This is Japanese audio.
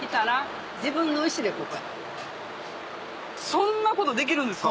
そんなことできるんですか？